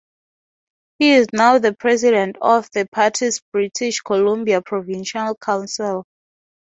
He is now the president of the party's British Columbia provincial council.